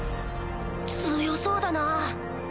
強そうだな